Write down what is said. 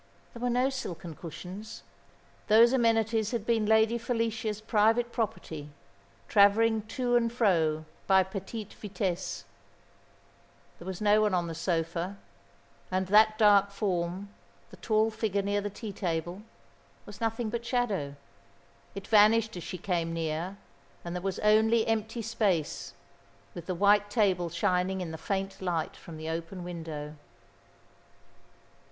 There were no silken cushions. Those amenities had been Lady Felicia's private property, travelling to and fro by petite vitesse. There was no one on the sofa, and that dark form, the tall figure near the tea table, was nothing but shadow. It vanished as she came near and there was only empty space, with the white table shining in the faint light from the open window.